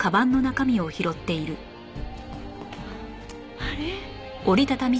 あれ？